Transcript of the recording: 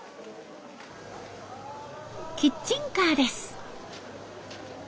キッチンカーです。